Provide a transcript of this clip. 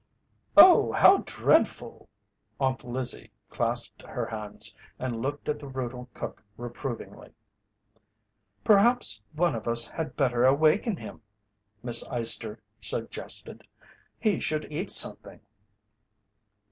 "Oh, how dread ful!" Aunt Lizzie clasped her hands, and looked at the brutal cook reprovingly. "Perhaps one of us had better awaken him," Miss Eyester suggested. "He should eat something."